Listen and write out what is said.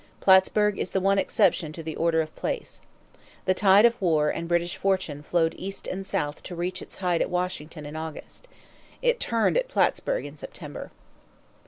Plattsburg is the one exception to the order of place. The tide of war and British fortune flowed east and south to reach its height at Washington in August. It turned at Plattsburg in September.